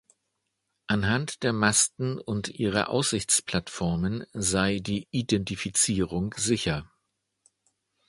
Anhand der Masten und ihrer Aussichtsplattformen sei die Identifizierung sicher.